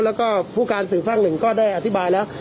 และพวกการสืบสวนภากหนึ่งก็ได้อธิบายแล้ว